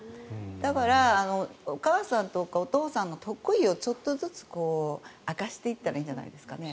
だから、お母さんとかお父さんの得意をちょっとずつ明かしていったらいいんじゃないですかね。